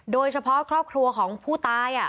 โดยเฉพาะครอบครัวของผู้ตาย